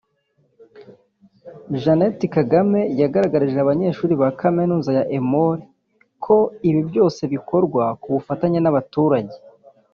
Jeannette Kagame yagaragarije aba banyeshuri ba Kaminuza ya Emory ko ibi byose bikorwa ku bufatanye n’abaturage